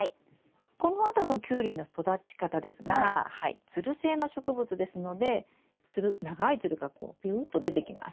このあとのキュウリの育ち方ですがつる性の植物ですのでつる長いつるがこうビューッと出てきます。